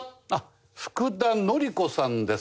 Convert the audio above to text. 福田教子さんです。